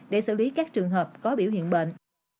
để xử lý các trường hợp có biểu hiện bệnh